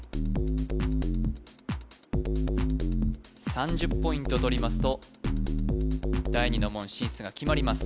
３０ポイントとりますと第二の門進出が決まります